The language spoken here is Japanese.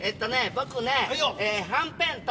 僕ねはんぺんと。